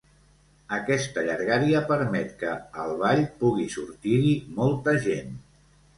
Aquesta llargària permet que, al ball, pugui sortir-hi molta gent.